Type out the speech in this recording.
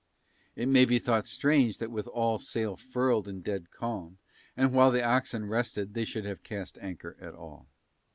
It may be thought strange that with all sail furled in dead calm and while the oxen rested they should have cast anchor at all.